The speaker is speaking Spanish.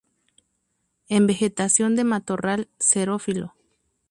En vegetación de matorral xerófilo.